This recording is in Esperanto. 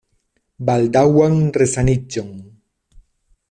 Baldaŭan resaniĝon!